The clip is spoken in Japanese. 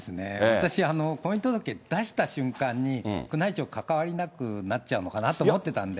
私、婚姻届出した瞬間に、宮内庁、関わりなくなっちゃうのかなと思ったんで。